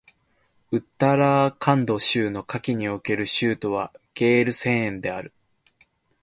ウッタラーカンド州の夏季における州都はゲールセーンである